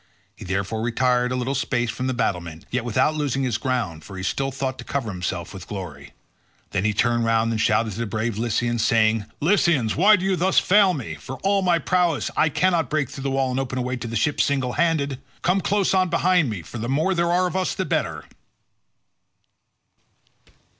He therefore retired a little space from the battlement, yet without losing all his ground, for he still thought to cover himself with glory. Then he turned round and shouted to the brave Lycians saying, "Lycians, why do you thus fail me? For all my prowess I cannot break through the wall and open a way to the ships single handed. Come close on behind me, for the more there are of us the better."